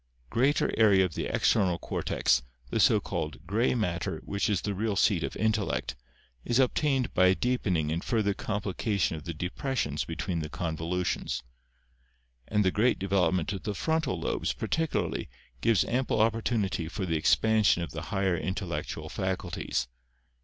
Greater area of the external cortex, the so called "gray matter" which is the real seat of intellect, is obtained by a deepen ing and further complication of the depressions between the convolutions. And the great development t>f the frontal lobes, par ticularly, gives ample opportunity for the expansion of the higher intellectual faculties.